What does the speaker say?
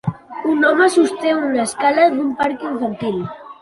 Un home sosté una escala d'un parc infantil.